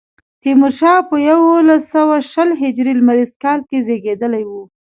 تیمورشاه په یوولس سوه شل هجري لمریز کال کې زېږېدلی و.